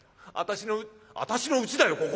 私の私のうちだよ